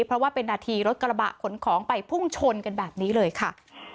เพราะว่าเป็นนาทีรถกระบะขนของไปพุ่งชนกันแบบนี้เลยค่ะ